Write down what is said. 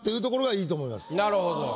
なるほど。